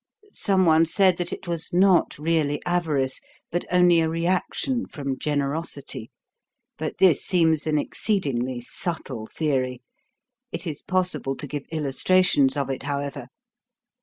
Some one said that it was not really avarice, but only a reaction from generosity; but this seems an exceedingly subtle theory. It is possible to give illustrations of it, however.